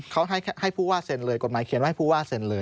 เขาให้ผู้ว่าเซ็นเลยกฎหมายเขียนว่าให้ผู้ว่าเซ็นเลย